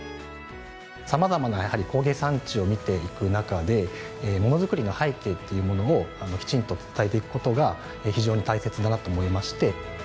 様々なやはり工芸産地を見ていく中で物作りの背景っていうものをきちんと伝えていく事が非常に大切だなと思いまして。